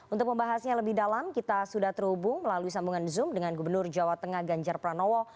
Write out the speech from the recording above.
untuk membahasnya lebih dalam kita sudah terhubung melalui sambungan zoom dengan gubernur jawa tengah ganjar pranowo